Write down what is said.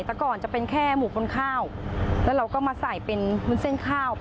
แต่ก่อนจะเป็นแค่หมูบนข้าวแล้วเราก็มาใส่เป็นวุ้นเส้นข้าว